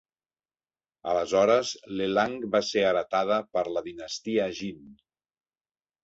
Aleshores, Lelang va ser heretada per la dinastia Jin.